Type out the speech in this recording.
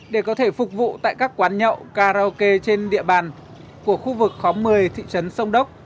để có thể phục vụ tại các quán nhậu karaoke trên địa bàn của khu vực khóm một mươi thị trấn sông đốc